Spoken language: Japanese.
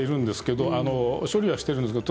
処理はしているんですけど